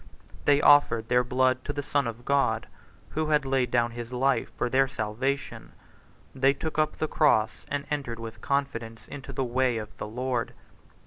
They offered their blood to the Son of God, who had laid down his life for their salvation: they took up the cross, and entered with confidence into the way of the Lord.